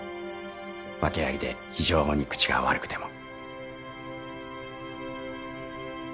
訳ありで非常に口が悪くても。